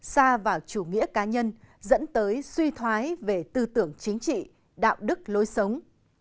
xa vào chủ nghĩa cá nhân dẫn tới suy thoái về tư tưởng chính trị đạo đức lối sống